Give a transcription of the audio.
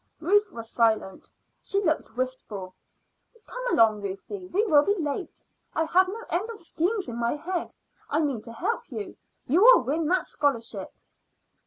Ruth was silent. She looked wistful. "Come along, Ruthie; we will be late. I have no end of schemes in my head. I mean to help you. You will win that scholarship."